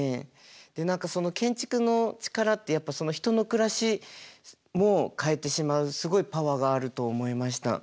で何かその建築の力ってやっぱ人の暮らしも変えてしまうすごいパワーがあると思いました。